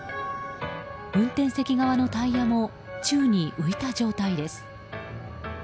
運転席側のタイヤも宙に浮いた状態です。